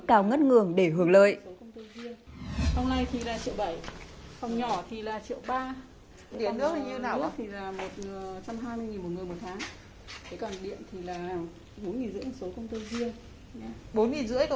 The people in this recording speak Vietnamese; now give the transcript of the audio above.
vâng vâng vâng thôi nóng mạnh thì đâu hết giá điện là bốn đồng một số rồi ạ